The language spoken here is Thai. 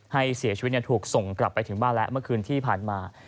ให้เสียชีวิตถูกส่งกลับไปถึงบ้านแล้วเมื่อคืนที่ผ่านมา